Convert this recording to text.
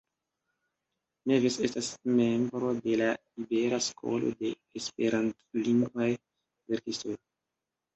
Neves estas membro de la Ibera Skolo de Esperantlingvaj verkistoj.